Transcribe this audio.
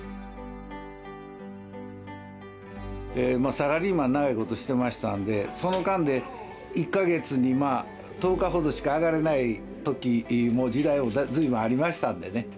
サラリーマン長いことしてましたんでその間で１か月にまあ１０日ほどしか上がれない時も時代も随分ありましたんでね。